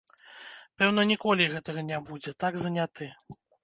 Пэўна, ніколі гэтага не будзе, так заняты.